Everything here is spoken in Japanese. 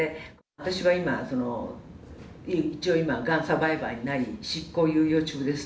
私は今、一応今、がんサバイバーになり、執行猶予中です。